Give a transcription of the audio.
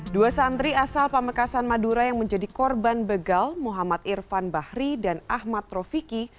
dua santri asal pamekasan madura yang menjadi korban begal muhammad irfan bahri dan ahmad rofiki